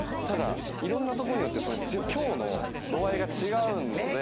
ただいろんなとこによって強の度合いが違うので。